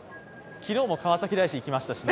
昨日も川崎大師に行きましたしね。